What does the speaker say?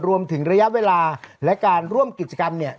รวมถึงระยะเวลาและการร่วมกิจกรรมเนี่ย